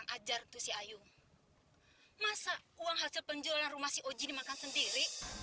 gimana senang aja enggak abang sih